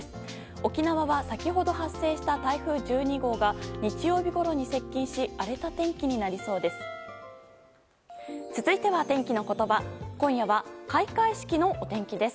沖縄は先ほど発生した台風１２号が接近し荒れた天気になりそうです。